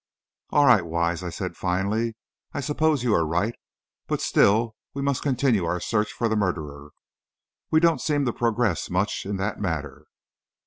"All right, Wise," I said, finally, "I suppose you are right. But still we must continue our search for the murderer. We don't seem to progress much in that matter."